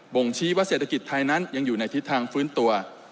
่งชี้ว่าเศรษฐกิจไทยนั้นยังอยู่ในทิศทางฟื้นตัว